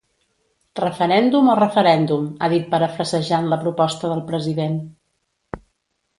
Referèndum o referèndum, ha dit parafrasejant la proposta del president.